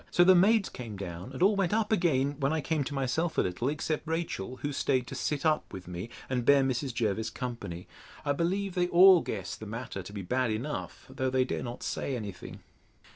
So the maids came down, and all went up again, when I came to myself a little, except Rachel, who staid to sit up with me, and bear Mrs. Jervis company. I believe they all guess the matter to be bad enough; though they dare not say any thing.